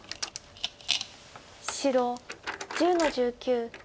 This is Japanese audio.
白１０の十九。